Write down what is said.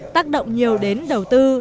tác động nhiều đến đầu tư